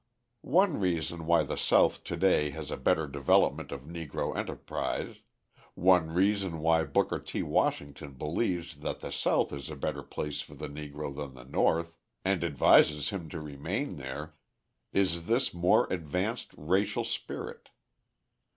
One reason why the South to day has a better development of Negro enterprise, one reason why Booker T. Washington believes that the South is a better place for the Negro than the North, and advises him to remain there, is this more advanced racial spirit.